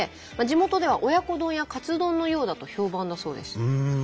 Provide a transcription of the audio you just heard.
地元では親子丼やカツ丼のようだと評判だそうです。